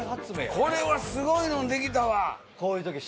これはすごいのできたわ！